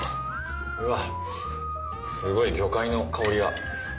うわっすごい魚介の香りが。